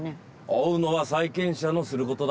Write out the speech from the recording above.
追うのは債権者のする事だ。